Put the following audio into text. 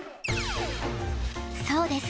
そうです。